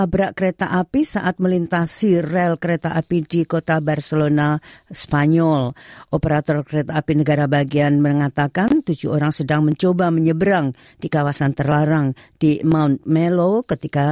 pemerintah albanisi akan meningkatkan kampanye untuk mendukung suara masyarakat